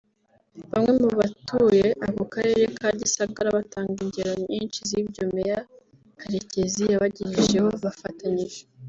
Bamwe mu batuye ako Karere ka Gisagara batanga ingero nyinshi z’ibyo Meya Karekezi yabagejejeho bafatanyije